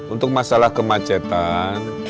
untuk masalah kemacetan